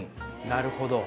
なるほど。